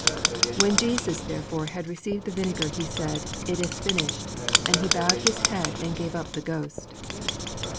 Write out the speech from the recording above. _' '_When Jesus, therefore, had received the vinegar he said, "It is finished!" and He bowed His head and gave up the ghost.